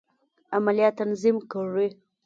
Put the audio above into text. عملیات تنظیم کړي.